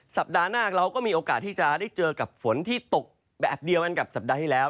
สัปดาห์หน้าเราก็มีโอกาสที่จะได้เจอกับฝนที่ตกแบบเดียวกันกับสัปดาห์ที่แล้ว